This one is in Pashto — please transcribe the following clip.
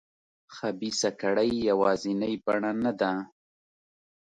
خبیثه کړۍ یوازینۍ بڼه نه ده.